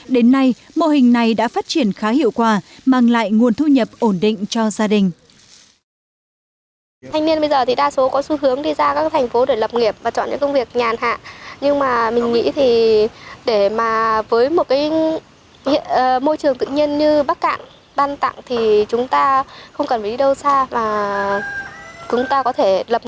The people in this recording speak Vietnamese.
đến nay mô hình này đã phát triển khá hiệu quả mang lại nguồn thu nhập ổn định cho gia đình